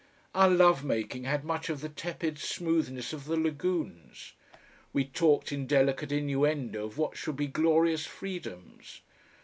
Our love making had much of the tepid smoothness of the lagoons. We talked in delicate innuendo of what should be glorious freedoms.